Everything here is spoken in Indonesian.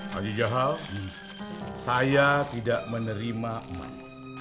bagi jahal saya tidak menerima emas